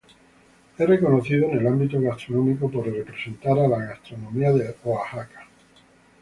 Es reconocido en el ámbito gastronómico por representar a la gastronomía de Oaxaca.